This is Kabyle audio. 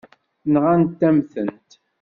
Nɣant-am-tent.